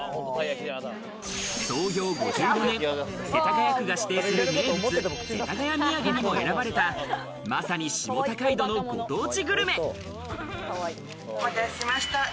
創業５５年、世田谷区が指定する名物世田谷みやげにも選ばれた、まさに下高井戸のご当地グルメ。